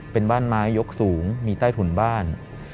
เป็นบ้านไม้ยกสูงมีใต้ถุนบ้าน